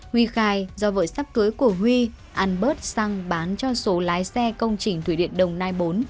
huy khai do vợ sắp cưới của huy ăn bớt xăng bán cho số lái xe công trình thủy điện đồng nai bốn